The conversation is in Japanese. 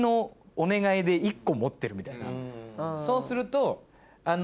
そうするとあの。